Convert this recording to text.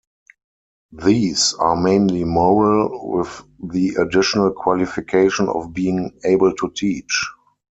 These are mainly moral, with the additional qualification of being "able to teach".